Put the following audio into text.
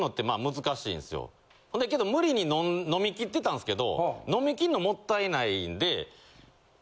けど無理に飲み切ってたんですけど飲み切んのもったいないんで。